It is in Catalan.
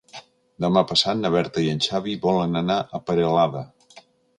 Demà passat na Berta i en Xavi volen anar a Peralada.